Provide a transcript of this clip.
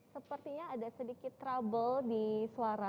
sepertinya ada sedikit trouble di suara